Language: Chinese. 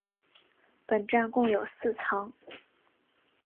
本站共有四层。